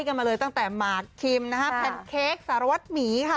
ไล่กันมาเลยตั้งแต่หมาคิมแพนเค้กสารวัสดิ์หมีครับ